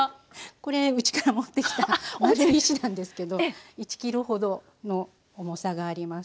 これうちから持ってきた丸い石なんですけど１ｋｇほどの重さがあります。